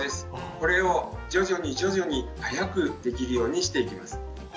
これを徐々に徐々に早くできるようにしていきます。